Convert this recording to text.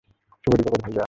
শুভ দীপাবলি, ভাইয়া।